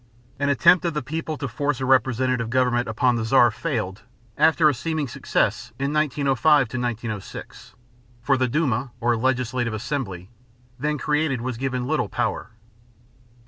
An attempt of the people to force a representative government upon the Czar failed after a seeming success in 1905 1906; for the Duma, or legislative assembly, then created was given little power.